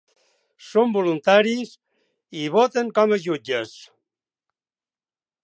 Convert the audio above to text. Són voluntaris i voten com a jutges.